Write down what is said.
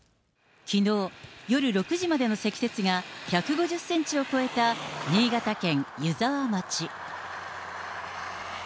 きのう、夜６時までの積雪が１５０センチを超えた新潟県湯沢町。